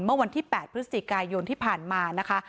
เมื่อวันที่๘พยที่ผ่านมานะคะ